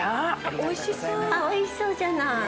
おいしそうじゃない。